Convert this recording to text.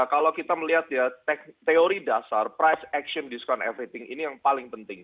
kalau kita melihat ya teori dasar price action diskon everything ini yang paling penting